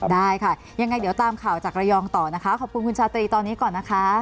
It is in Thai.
ได้ค่ะยังไงเดี๋ยวตามข่าวจากระยองต่อนะคะขอบคุณคุณชาตรีตอนนี้ก่อนนะคะ